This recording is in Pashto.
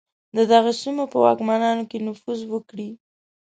د دغو سیمو په واکمنانو کې نفوذ وکړي.